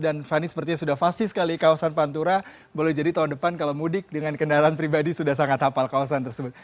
dan fani sepertinya sudah fasi sekali kawasan pantura boleh jadi tahun depan kalau mudik dengan kendaraan pribadi sudah sangat hafal kawasan tersebut